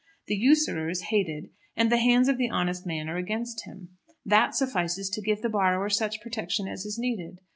The usurer is hated, and the hands of the honest men are against him. That suffices to give the borrower such protection as is needed.